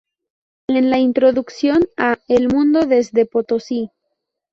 En la introducción a "El mundo desde Potosí.